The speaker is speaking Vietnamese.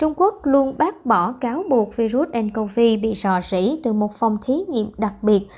trung quốc luôn bác bỏ cáo buộc virus ncov bị sò rỉ từ một phòng thí nghiệm đặc biệt